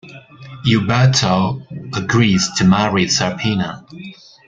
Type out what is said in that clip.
Uberto agrees to marry Serpina.